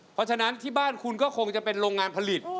เพราะฉะนั้นที่บ้านคุณก็คงจะเป็นโรงงานผลิต